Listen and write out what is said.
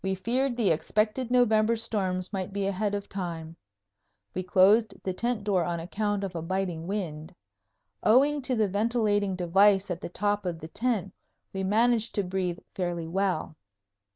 We feared the expected November storms might be ahead of time. We closed the tent door on account of a biting wind. Owing to the ventilating device at the top of the tent, we managed to breathe fairly well.